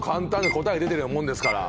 答えは出てるようなものです。